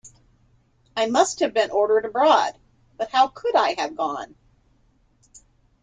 I must have been ordered abroad, but how could I have gone?